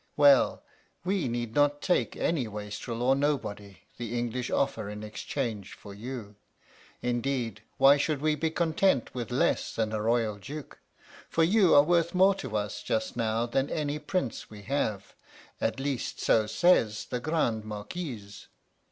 Well, we need not take any wastrel or nobody the English offer in exchange for you. Indeed, why should we be content with less than a royal duke? For you are worth more to us just now than any prince we have; at least so says the Grande Marquise.